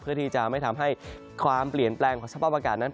เพื่อที่จะไม่ทำให้ความเปลี่ยนแปลงของสภาพอากาศนั้น